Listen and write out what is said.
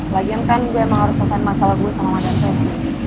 lagian kan gue emang harus selesaikan masalah gue sama madang preti